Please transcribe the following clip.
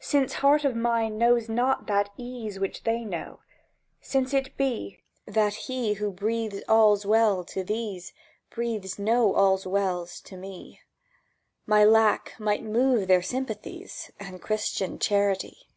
Since heart of mine knows not that ease Which they know; since it be That He who breathes All's Well to these Breathes no All's Well to me, My lack might move their sympathies And Christian charity!